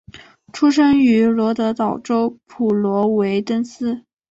出生于罗德岛州普罗维登斯。